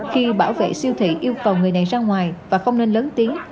khi bảo vệ siêu thị yêu cầu người này ra ngoài và không nên lớn tiếng